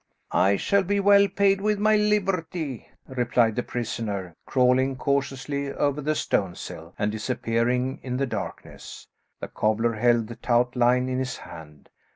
"I shall be well paid with my liberty," replied the prisoner, crawling cautiously over the stone sill and disappearing in the darkness. The cobbler held the taut line in his hand.